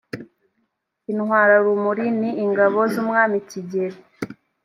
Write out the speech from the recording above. intwararumuri ni ingabo zumwami kigeli.